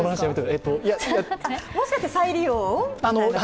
もしかして再利用みたいな？